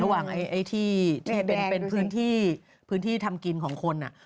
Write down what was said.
ระหว่างที่เป็นพื้นที่ทำกินของคน